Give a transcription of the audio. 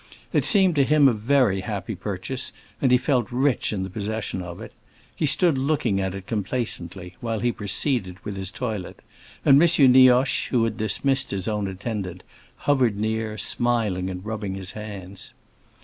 It seemed to him a very happy purchase, and he felt rich in the possession of it. He stood looking at it complacently, while he proceeded with his toilet, and M. Nioche, who had dismissed his own attendant, hovered near, smiling and rubbing his hands.